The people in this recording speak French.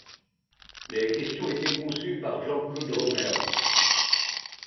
Les questions étaient conçues par Jean-Claude Romer.